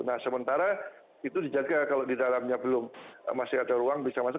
nah sementara itu dijaga kalau di dalamnya belum masih ada ruang bisa masuk